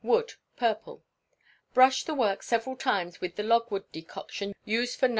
Wood. Purple Brush the work several times with the logwood decoction used for No.